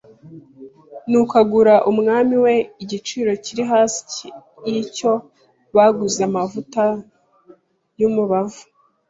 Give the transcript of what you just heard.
Nuko agura Umwami we igiciro kiri hasi y'icyo baguze amavuta y'umubavu.